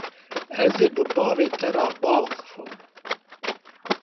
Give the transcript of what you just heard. Ez ê bi bavê te re biaxivim.